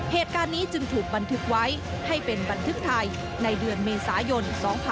เหตุการณ์นี้จึงถูกบันทึกไว้ให้เป็นบันทึกไทยในเดือนเมษายน๒๕๖๒